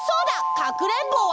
かくれんぼは？